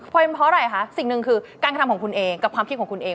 เพราะอะไรคะสิ่งหนึ่งคือการทำของคุณเองกับความคิดของคุณเอง